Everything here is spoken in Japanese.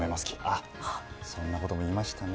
あっそんなことも言いましたね。